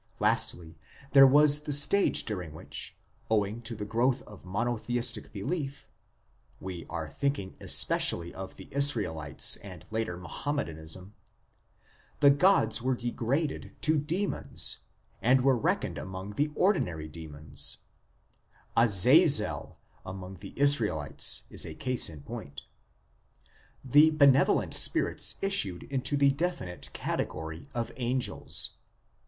Lastly, there was the stage during which, owing to the growth of monotheistic belief (we are thinking especially of the Israelites and later Muhammadanism), the gods were degraded to demons and were reckoned among the ordinary demons ( Azazel among the Israelites is a case in point) ; the benevo lent spirits issued into the definite category of angels.